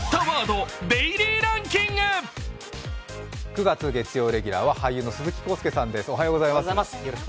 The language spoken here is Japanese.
９月月曜レギュラーは俳優の鈴木浩介さんです。